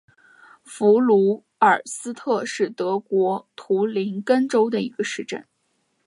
弗卢尔斯特是德国图林根州的一个市镇。